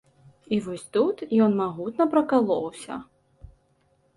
І вось тут ён магутна пракалоўся.